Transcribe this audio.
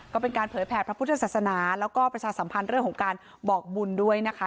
ก็เป็นการเผยแผ่พระพุทธศาสนาแล้วก็ประชาสัมพันธ์เรื่องของการบอกบุญด้วยนะคะ